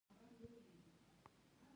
د جعفری شیره د پښتورګو لپاره وکاروئ